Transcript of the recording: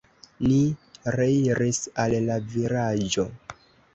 Ni reiris al la vilaĝo.